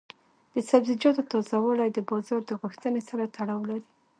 د سبزیجاتو تازه والي د بازار د غوښتنې سره تړاو لري.